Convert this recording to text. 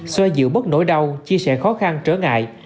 xoa dịu bớt nỗi đau chia sẻ khó khăn trở ngại